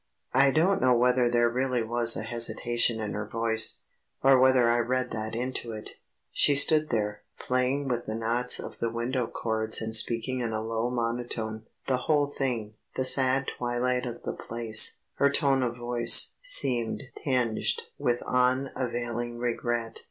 I don't know whether there really was a hesitation in her voice, or whether I read that into it. She stood there, playing with the knots of the window cords and speaking in a low monotone. The whole thing, the sad twilight of the place, her tone of voice, seemed tinged with unavailing regret.